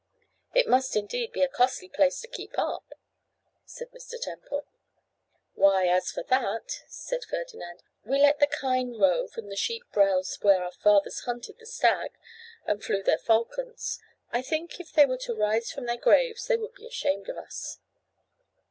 'It must, indeed, be a costly place to keep up,' said Mr. Temple. 'Why, as for that,' said Ferdinand, 'we let the kine rove and the sheep browse where our fathers hunted the stag and flew their falcons. I think if they were to rise from their graves they would be ashamed of us.